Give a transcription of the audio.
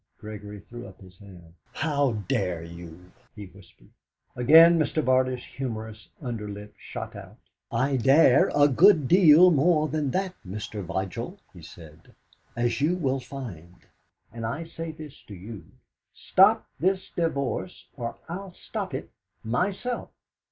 Gregory threw up his hand. "How dare you!" he whispered. Again Mr. Barter's humorous under lip shot out. "I dare a good deal more than that, Mr. Vigil," he said, "as you will find; and I say this to you stop this divorce, or I'll stop it myself!"